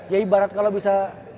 ya ibarat kalau bisa